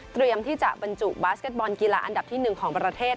ที่จะบรรจุบาสเก็ตบอลกีฬาอันดับที่๑ของประเทศ